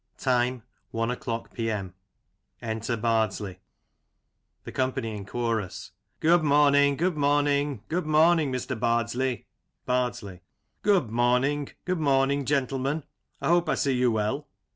Time i o'clock p.m. {Enter Bardsley,^ The Company in Chorus: Good morning, good morning, good morning, Mr. Bardsley. Bardsley: Good morning, good morning, gentlemen, I hope I see you well.